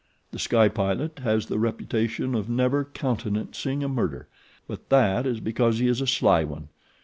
The Sky Pilot has the reputation of never countenancing a murder; but that is because he is a sly one.